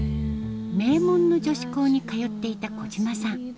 名門の女子校に通っていた小島さん